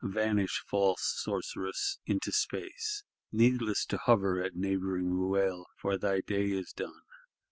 Vanish, false Sorceress; into Space! Needless to hover at neighbouring Ruel; for thy day is done.